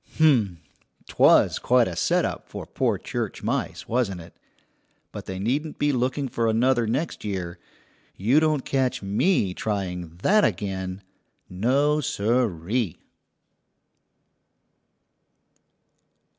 Humph, 'twas quite a setup for poor church mice, wasn't it? But they needn't be looking for another next year. You don't catch me trying that again no sir ee!"